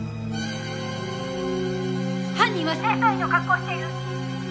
「犯人は清掃員の格好をしている！」